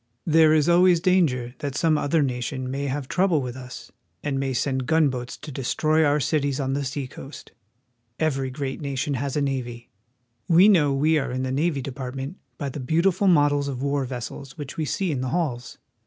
There is always danger that some other nation may have trouble with us and may send gunboats to destroy our cities on U. S. Cruiser New York. the seacoast. Every great nation has a navy. We know we are in the Navy Department by the beautiful models of war vessels which we see in the halls.